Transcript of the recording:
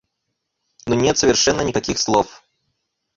Ну нет совершенно никаких слов.